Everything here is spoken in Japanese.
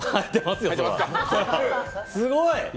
すごーい。